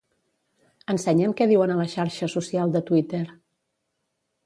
Ensenya'm què diuen a la xarxa social de Twitter.